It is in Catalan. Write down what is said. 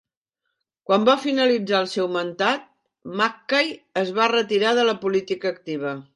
Quan va finalitzar el seu mandat, MacKay es va retirar de la política activa.